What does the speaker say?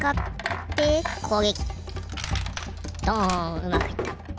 うまくいった。